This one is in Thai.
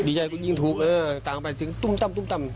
ดีใจกูยิงถูกตามเข้าไปถึงตุ้มตำตุ้มตำ